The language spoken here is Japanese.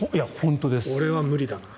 俺は無理だ。